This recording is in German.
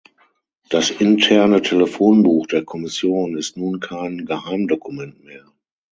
Das interne Telefonbuch der Kommission ist nun kein Geheimdokument mehr.